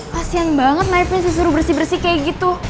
kasian banget naypin disuruh bersih bersih kayak gitu